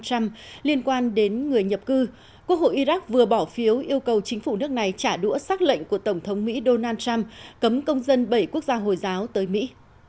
liên quan đến người nhập cư quốc hội iraq vừa bỏ phiếu yêu cầu chính phủ nước này trả đũa xác lệnh của tổng thống mỹ donald trump cấm công dân bảy quốc gia hồi giáo tới mỹ